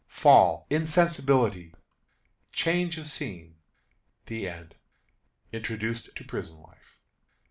Fall, Insensibility, Change of Scene. The End. Introduced to Prison Life.